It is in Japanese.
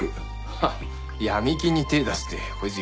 ハッ闇金に手出すってこいつよっぽどだね。